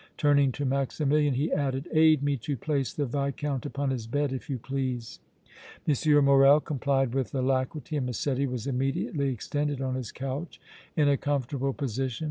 Turning to Maximilian, he added: "Aid me to place the Viscount upon his bed, if you please." M. Morrel complied with alacrity and Massetti was immediately extended on his couch in a comfortable position.